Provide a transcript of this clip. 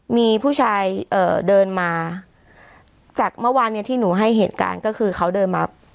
มีผู้ชายเอ่อเดินมาจากเมื่อวานเนี้ยที่หนูให้เหตุการณ์ก็คือเขาเดินมา